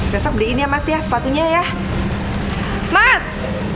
ya allah mas